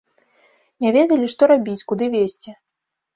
Не ведалі, што рабіць, куды весці.